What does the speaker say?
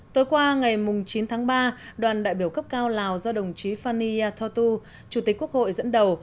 tối qua ngày chín tháng ba đoàn đại biểu cấp cao lào do đồng chí fani thotu chủ tịch quốc hội dẫn đầu